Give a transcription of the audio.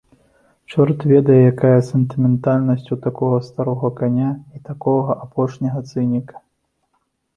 Чорт ведае, якая сентыментальнасць у такога старога каня і такога апошняга цыніка!